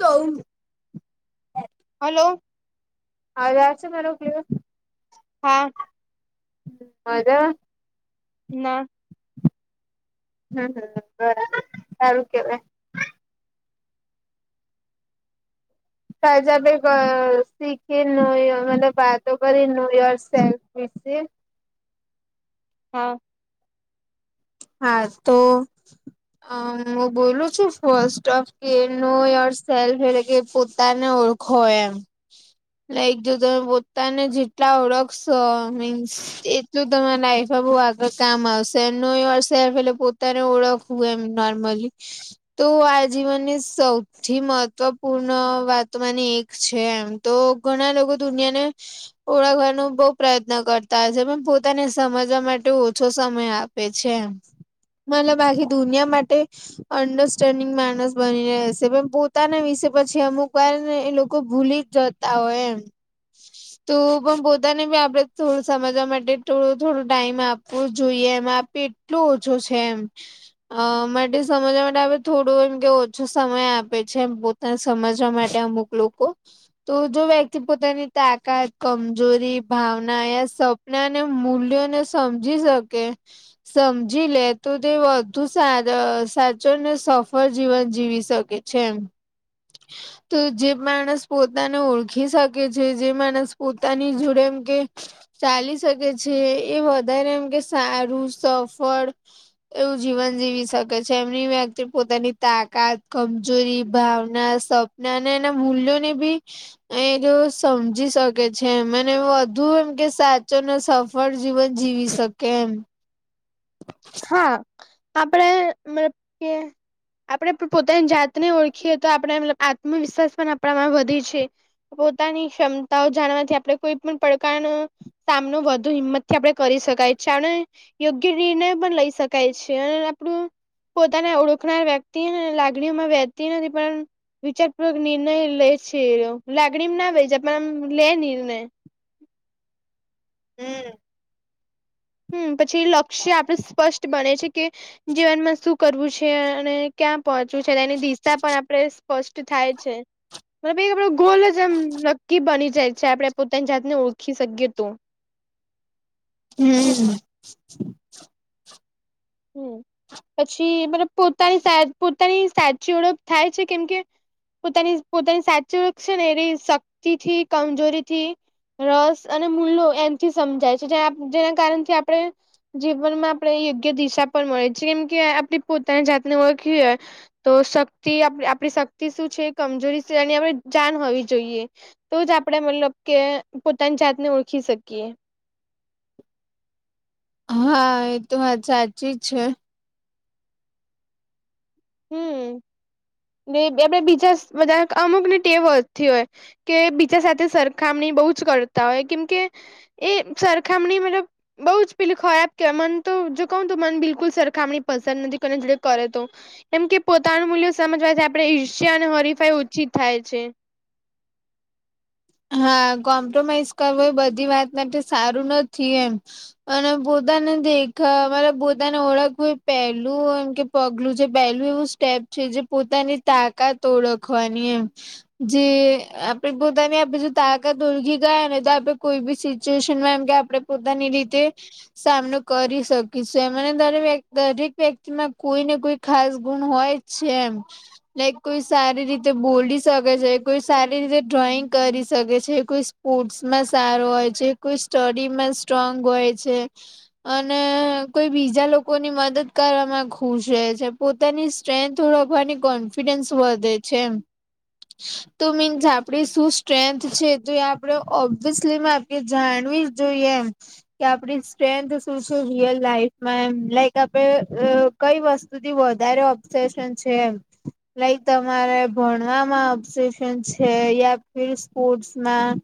તો હલો. અવાજ આવે છે, મારો સ્પષ્ટ. હા. [unintelligible] ના. હમ, હમ. બરાબર સારું કહેવાય. [unintelligible] હા. હા તો હા હું બોલું છું, ફ ઓફ કે નો સલ્ફ ને કે પોતાને ઓળખ ઓળખો એમ લાઈક જો તમે પોતાને જેટલા ઓળખ મીન્સ એટલું તમારા લાઈફમાં બહુ આગળ કામ આવશે નૈ એ વર્ષ પહેલે પોતાને ઓળખવું એમ નર્મલી તો આ જીવનની સૌથી મહત્વપૂર્ણ વાતોમાં ને એક છે, એમ. તો ઘણા લોકો દુનિયાને ઓળખવાનો બહુ પ્રયત્ન કરતા હોય છે, પણ પોતાને સમજવા માટે ઓછો સમય આપે છે. મને બાકી દુનિયા માટે. અંડરસ્ટેન્ડિંગ માણસ બની રહેશે પણ પોતાના વિશે પછી અમુક વાર ને એ લોકો ભૂલી જ તા હોય એમ. તો પણ પોતાને બી આપણે થોડું સમજવા માટે થોડું થોડો ટાઈમ આપવું જોઈએ એમ આપીએ. કેટલું ઓછો છે, એમ. અ માટે સમજવા માટે આપ થોડો એમ કે ઓછો સમય આપે છે, એ. [unintelligible] સમજવા માટે અમુક લોકો તો જો વ્યક્તિ પોતાની તાકાત કમજોરી ભાવના યા સપ અને મૂલ્યોને સમજી શકે. સમજી લે તો તે વધુ સ સાચો ને સફળ જીવન જીવી શકે છે એમ. [unintelligible] તો જે માણસ પોતાને ઓળખી શકે છે, જે માણસ પોતાની જોડે એમ કે. ચાલી શકે છે, એ વધારે એમ કે સારું સફળ. એવું જીવન જીવી શકે છે, એમની વ્યક્તિ પોતાની તાકાત કમજોરી ભાવના સ પના નાના મૂલ્યોને બી. [unintelligible] એ જો સમજી છે, મને એમ કે સાચો ને સ ફળ જીવન જીવી શકે એમ. હા આપડે [unintelligible] આપડે પોતાની જાતને ઓળખીએ તો આપણે આત્મવિશ્વાસ પણ આપણામાં વધે છે. પોતાની ક્ષમતાઓ જાણવાથી આપડે કોઈ પણ પડકાર [unintelligible] સામનો વધુ હિંમત થી આપડે કરી શકાય છીએ આપણે યોગ્ય. નિર્ણયો પણ લઈ શકાય છે, અને આપણું. પોતાને ઓળખનાર વ્યક્તિ લાગણીઓમાં વહેતી નથી પણ. વિચારપૂર્વક નિર્ણય લે છે લાગણી માં ન વાઈ જા પણ આમ લે નિર્ણય. હમ હમ પછી લક્ષ્ય આપડે સ્પષ્ટ બને કે જીવનમાં શું કરવું છે, અને. ક્યાં પહોંચવું છે, તેની દિશા પણ આપણે સ્પષ્ટ થાય છે. મતલબ એક આપડે ગોલ જ એમ નક્કી બની જાય છે આપડે પોતાની ઓળખી શકીએ તો. હમ. હમ પછી મતલબ પોતાની શાયદ પોતાની સાચી ઓળખ થાય છે કેમ કે પોતાની પોતાની સાચી ઓળખ છે ને એની શક્તિ થી કમજોરી થી રસ અને મૂલો એમથી સમજાય છે જેના કારણથી આપણે જીવનમાં આપણે યોગ્ય દિશા પણ મળે છે કેમ કે આપણે પોતાની જાતને ઓળખવી હોય તો શક્તિ આપણી આપણી શક્તિ શું છે કમજોરી શું એની આપણે જાન હોવી જોઈએ. તો જ આપણેે મતલબ કે પોતાની જાતને ઓળખી શકીએ. હા, એ તો વાત સાચી જ છે. હમ [inaudible] ને એટલે બીજા બધા અમુક ને ટેવ હો થી હોય કે બીજા સાથે સરખામણી બહુ જ કરતા હોય કેમકે એ સરખામણી મતલબ બઉ જ પેલી ખરાબ કેવાય મન તો જો કહ તો મન બિલકુલ સરખામણી પસંદ નથી કોને જોડે કરે તો. કેમકે પોતાનું મૂલ્ય સમજવાથી આપણે ઈર્ષ્યા અને હરીફાઈ ઓછી થાય છે. હા, કોમ્પ્રોમાઈઝ કરવો એ બધી વાત માટે સારું નથી એમ. અને પોતાનું દેખા મરે પોતાને ઓળખવું પેલું એમ કે પગલું જે પહેલું એવું સ્ટેપ છે જે પોતાની તાકાત ઓળખવાની એમ જે આપડી પોતાની આપે તાકત [unintelligible] ગયા તો આપણે કોઈ બી સિચ્યુએશનમાં એમ કે આપડે પોતાની રીતે સામનો કરી શકીશું. દરેક વ્યક્તિમાં કોઈ ને કોઈ ખાસ ગુણ હોય છે એમ. લાઈક કોઈ સારી રીતે બોલી શકે છે, કોઈ સારી રીતે ડ્રોઈંગ કરી શકે છે, કોઈ સ્પોર્ટ્સમાં સારો હોય છે. કોઈ સ્ટડીમાં સ્ટ્રોંગ હોય છે. અને કોઈ બીજા લોકોની મદદ કરવામાં ખુશ રહે છે. પોતાની સ્ટ્રેન્થ ઓળખવાની કોન્ફિડન્સ વધે છે એમ. તો મીન્સ આપણે સુ સ સ્ટ્રેન્થ છે, તો એ આપણે ઓબ્વિયસલી આપ જાણવી જ જોઈએ એમ. કે આપડી સ્ટ્રેન્થ શું શું રીઅલ લાઈફમાં એમ લાઈક આપણે કઈ વસ્તુથી વધારે ઓપસેશન છે એમ લાઈક તમારે ભણવામાં ઓબ્સેસન છે યા ફિલ્ડ સ્પોર્ટ્સમાં,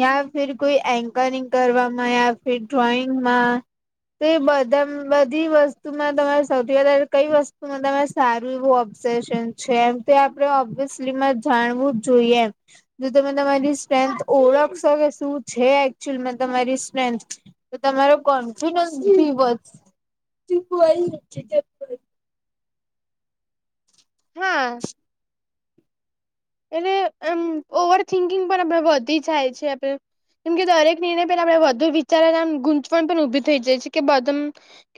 યા ફિર કોઈ એન્કરિંગ કરવામાં, યા ફિર ડ્રોઈંગમાં, તો એ બધા બધી વસ્તુમાં તમારે સૌથી વધારે કઈ વસ્તુમાં તમે સારું એવું ઓબ્ઝેશન છે એમ તે આપણે ઓબ્વિયસલીમાં જાણવું જ જોઈએ એમ જો તમે તમારી સ્ટ્રેન્થ ઓળખશો કે શું છે એકચુઅલમાં તમારી સ્ટ્રેન્થ તો તમારો કોન્ફિડન્સ બી [unintelligible] હા. એટલે એમ ઓવર થિંકિંગ પણ આપડે વધી જાય છે આપડે. કેમ કે દરેક નિર્ણય પેલા આપણે વધુ વિચારવા આમ ગૂચવણ પણ ઉભી થઈ જાય છે કે બધમ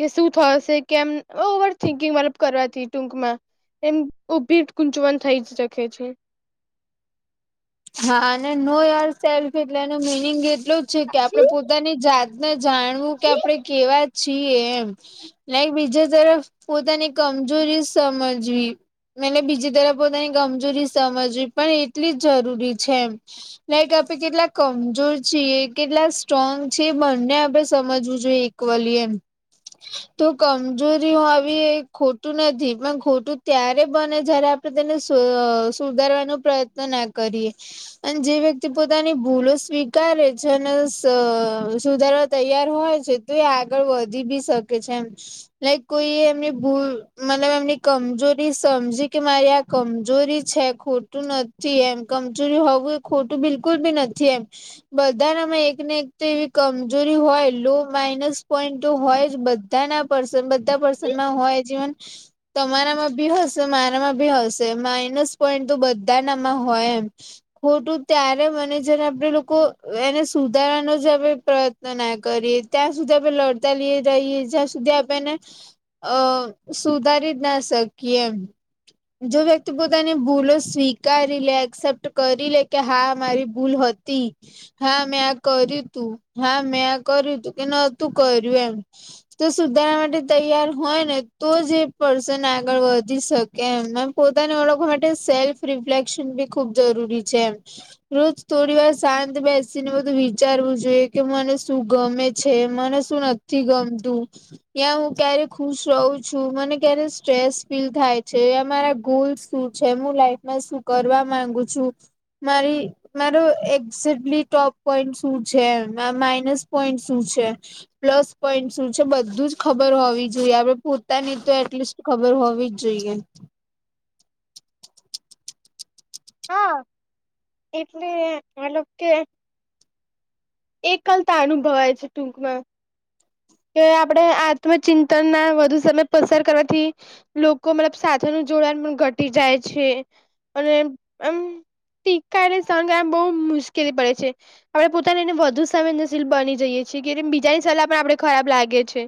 કે શું થશે? કેમ? ઓવર થિકિંગ મતલબ કરવાથી ટૂંકમાં. એમ ઉભી ગૂંચવણ થઈ જ શકે છે. હા, અને નો યોર સેલ્ફ એટલે એનું મિનિંગ એટલું જ છે કે આપણે સાચી પોતાની જાત ને જાણવું કે આપણેે કેવા છીએ એમ. લાઈક બીજા તરફ પોતાની કમજોરીઓ સમજવી. મેંને બીજી તરફ પોતાની કમજોરી સમજવી પણ એટલી જ જરૂરી છે એમ. લાઈક આપણે કેટલા કમજોર છીએ, કેટલા સ્ટ્રોંગ છીએ બંને આપડે સમજવું જોઈએ. ક્વોલિયન તો કમજોરી હોવી એ ખોટું નથી પણ ખોટું ત્યારે બને જ્યારે આપ તેને સુ સુધારવાનો પ્રયત્ન ના કરીએ. અને જે વ્યક્તિ પોતાની ભૂલો સ્વીકારે છે અને સ સુધારવા તૈયાર હોય છે. તે એ આગળ વધી બી શકે છે એમ. લાઈક કોઈ એમની ભૂલ મતલબ એમની કમજોરી સમજી કે મારી આ કમજોરી છે ખોટું નથી એમ. કમજોરી હોવું એ ખોટું બિલકુલ બી નથી એમ. બધાનામાં એકને એક તો એવી કમજોરી હોય લો માઇનસ પોઈન્ટ તો હોય જ બધાના. પર્સન બધા પર્સનમાં હોય જીવન તમારામાં બી હશે મારામાં બી હશે. માઇનસ પોઈન્ટ તો બધાનામાં હોય એમ. ખોટું ત્યારે બને જ્યારે આપણે લોકો એને સુધારવાનો જ આપણે પ્રય તો ના કરીએ ત્યાં સુધી આપણે લડતા લઈએ રહીએ જ્યાં સુધી આપણને અ સુધારી જ ના શકીએ એમ. જો વ્યક્તિ પોતાની ભૂલો સ્વીકારી લે એક્સેપ્ટ કરી લે કે હા મારી ભૂલ હતી. હા મેં આ કર્યું તું હા મેં આ કર્યું તું કે નતું કર્યું એમ. તો સુધારા માટે તૈયાર હોય ને તો જ એ પર્સન આગળ વધી શકે કેમ એમ પોતાને ઓળખ માટે સેલ્ફ રિફ્લેક્શન બી ખુબ જરૂરી છે એમ રોજ થોડી વાર શાંત બેસીને બધું વિચારવું જોઈએ કે મને શું ગમે છે મને શું નથી ગમતું યા હું ક્યારે ખુશ રહું છું મને ક્યારે સ્ટ્રેસ ફીલ થાય છે યા મારા ગોલ્સ શું છે હું લાઈફમાં શું કરવા માંગુ છું મારી મારો એક્ઝેટલી ટોપ પોઈન્ટ શું છે માઇનસ પોઈન્ટ શું છે. પ્લસ પોઈન્ટ શું છે બધું જ ખબર હોવી જોઈએ આપડે પોતાની તો એટલીસ્ટ ખબર જ હોવી જ જોઈએ. હા એટલે એ મતલબ કે એકલતા અનુભવાય છે ટૂંકમાં કે આપણે આત્મચિંતન ના વધુ સમય પસાર કરવાથી લોકો મતલબ સાથેનું જોડાણ પણ ઘટી જાય છે અને આમ ટીકાને સંગ આમ બહુ મુશ્કેલી પડે છે આપડે પોતાનીને વધુ સંવેદનશીલ બની જઈએ છીએ કે બીજાની સલાહ પણ આપડે ખરાબ લાગે છે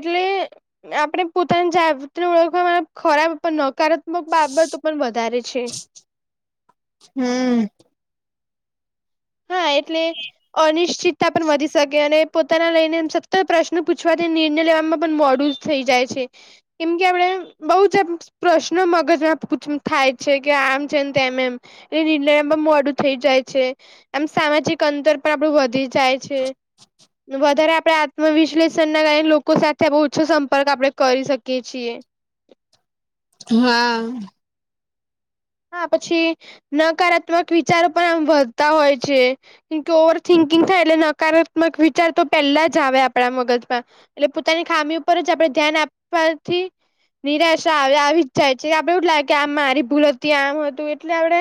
એટલે આપણે પોતાની જાતને ઓળખવા માં ખરાબ પણ નકારાત્મક બાબતો પણ વધારે છે હમમ હા એટલે અનિશ્ચિતતા પણ વધી શકે અને પોતાના લઈને સતત પ્રશ્નો પૂછવાથી નિર્ણય લેવામાં પણ મોડું થઈ જાય છે કેમ કે આપડે બહુ જ આમ પ્રશ્ન મગજમાં પુંછું થાય છે કે આમ છે ને તેમ એમ એ નિર્ણયમાં મોડું થઇ જાય છે એમ સામાજિક અંતર પણ આપણું વધી જાય છે વધારે આપડે આત્મવિશ્લેષણ ના કારણે લોકો સાથે બહુ ઓછો સંપર્ક આપડે કરી શકીએ છીએ હા. આ હા પછી નકારાત્મક વિચારો પણ આમ વધતા હોય છે કે ઓવર થિંકિંગ થાય એટલે નકારાત્મક વિચાર તો પહેલા જ આવે આપણા મગજમાં એટલે પોતાની ખામી ઉપર જ આપડે ધ્યાન આપવાથી નિરાશા આવે આવી જ જાય છે આપડે એવું લાગે કે આમ મારી ભૂલ હતી આમ હતું એટલે આપડે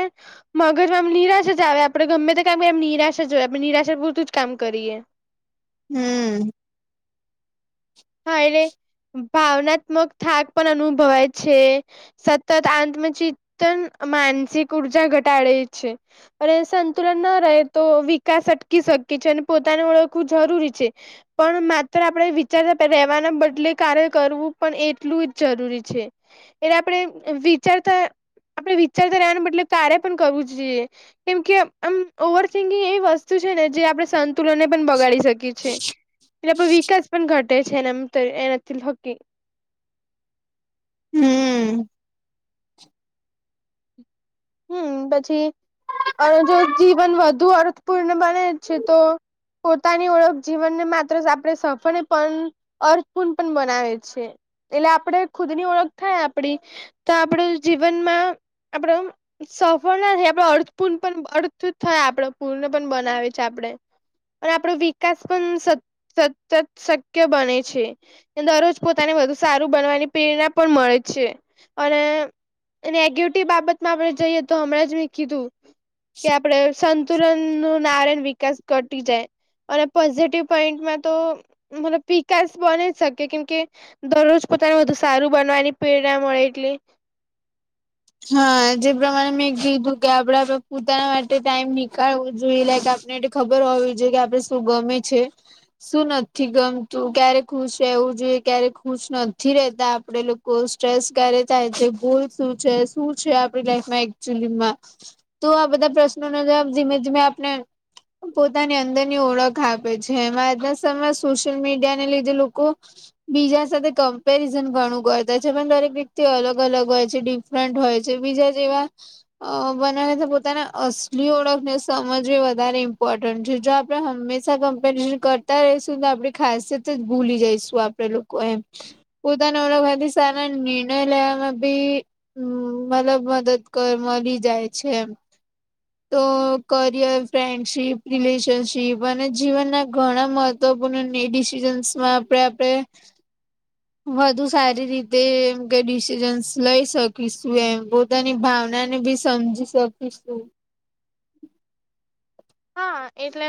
મગજમાં આમ નિરાશા જ આવે આપડે ગમે તે કામ કરીએ એમ નિરાશા જ જોય આપણે નિરાશા પૂરતું જ કામ કરીએ હમમ હા એટલે ભાવનાત્મક થાક પણ અનુભવાય છે સતત આત્મચિંતન માનસિક ઉર્જા ઘટાડે છે. અને સંતુલન ના રહે તો વિકાસ અટકી શકે છે. અને પોતાને ઓળખવું જરૂરી છે. પણ માત્ર આપડે વિચારતા રેવાના બદલે કાર્ય કરવું પણ એટલું જ જરૂરી છે. એટલે આપણે વિચારતા આપણે વિચારતા રહેવાનો મતલબ કાર્ય પણ કરવું જ જોઈએ. કેમ કે આમ ઓવર થિંકિંગ એવી વસ્તુ છે ને જે આપણે તુલને પણ બગાડી શકી છે. એટલે આપડો વિકાસ પણ ઘટે છે એન એના થકી હમમ હમ પછી [unintelligible] જો જીવન વધુ અર્થપૂર્ણ બને છે તો પોતાની ઓળખ જીવનને માત્ર આપણે સફળ પણ અર્થપૂર્ણ પણ બનાવે છે એટલે આપણે ખુદની ઓળખ થાય આપડી. તો આપણું જીવનમાં આપણો સફળ ના થાય આપડે અર્થપૂર્ણ પણ અર્થ થાય આપડે પૂર્ણ પણ બનાવે છે. આપડે અને આપણો વિકાસ પણ સત સતત શક્ય બને છે. દરરોજ પોતાને વધુ સારું બનવાની પ્રેરણા પણ મળે છે અને [unintelligible] બાબત માં આપણે જઈએ તો હમણાં જ મેં કીધું કે, આપડે સંતુલનનો નારણ વિકાસ [unintelligible] જાય અને પોઝિટિવ પોઈન્ટમાં તો પીકાશ બની શકે કેમ કે દરરોજ પોતાનું વધુ સારું બનવાની પ્રેરણા મળે એટલે હા જે પ્રમાણે મેં કીધું કે આપડા પોતાના માટે ટાઈમ નીકળવો જોઈએ [unintelligible] ખબર હોવી જો કે આપડે શું ગમે છે. શું નથી ગમતું ક્યારે ખુશ રહેવું જોઈએ, ક્યારે ખુશ નથી રહેતા આપડે લોકો કોઈ સ્ટ્રેસ ગ્યારે થાય છે, જે ગોલ શું છે, શું છે? આપણી લાઈફમાં એકચુલીમાં તો આ બધા પ્રશ્નોના જવાબ ધીમે-ધીમે આપણે પોતાની અંદરની ઓળખ આપે છે. એમાં આજના સમયમાં સોશિયલ મીડિયાના ને લીધે લોકો બીજા સાથે કમ્પેરિઝન ઘણું કરતા છે, પણ દરેક વ્યક્તિ અલગ અલગ હોય છે. હોય છે બીજા જેવા અ બનાવી તો પોતાના અસલી ઓળખને સમજવી વધારે ઇમ્પોર્ટન્ટ છે જો આપ આપણે હંમેશા કમ્પેરિઝન કરતા રહીશું તો આપણી ખાસિયત જ ભૂલી જઈશું. આપડે લોકો એમ [unintelligible] નિર્ણય લેવામાં ભી હમ મતલબ મદદ કર મળી જાય છે એમ તો કરિયર ફ્રેન્ડશીપ રિલેશનશીપ અને જીવનના ઘણા મ તો ડિસિઝન્સમાં આપણે આપણે વધુ સારી રીતે એમ કે ડિસિઝન્સ લઈ શકીશું? એમ બ પોતાની ભાવના ને બી સમજી શકી શું. હા એટલે